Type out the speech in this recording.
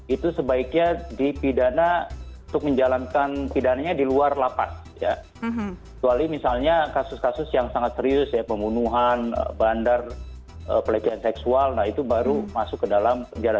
itu sebaiknya dipidana untuk menjalankan pidananya di luar lapas ya kecuali misalnya kasus kasus yang sangat serius ya pembunuhan bandar pelecehan seksual nah itu baru masuk ke dalam penjara